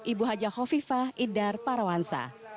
ibu haji hovifah indar parawansa